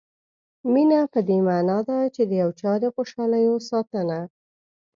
مینه په دې معنا ده چې د یو چا د خوشالیو ساتنه.